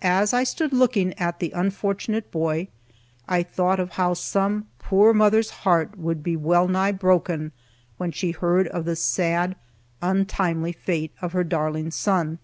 As I stood looking at the unfortunate boy, I thought of how some poor mother's heart would be well nigh broken when she heard of the sad, untimely fate of her darling son.